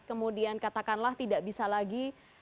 kemudian katakanlah tidak bisa lagi